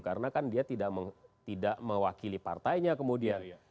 karena kan dia tidak mewakili partainya kemudian